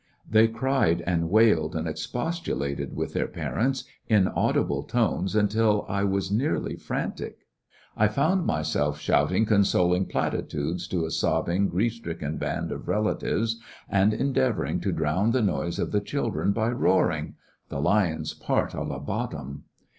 They cried and wailed and expostu lated with their parents in audible tones until I was nearly frantic. I found myself shout ing consoling platitudes to a sobbing, grief stricken band of relatives, and endeavoring to drown the noise of the children by roaring — the lion's part a la Bottom.